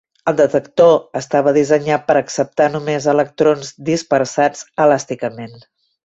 El detector estava dissenyat per acceptar només electrons dispersats elàsticament.